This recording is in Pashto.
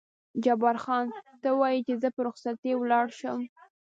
جبار خان: ته وایې چې زه په رخصتۍ ولاړ شم؟